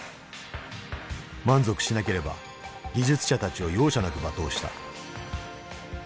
満足しなければ技術者たちを容赦なく罵倒した。